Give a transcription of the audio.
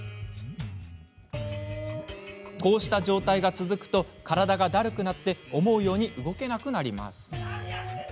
こうした状態が続くと体がだるく思うように動けなくなります。